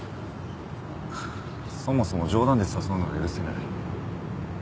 そもそも冗談で誘うのが許せない。